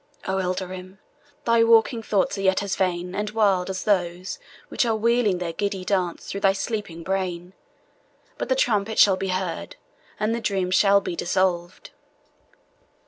O Ilderim, thy waking thoughts are yet as vain and wild as those which are wheeling their giddy dance through thy sleeping brain; but the trumpet shall be heard, and the dream shall be dissolved."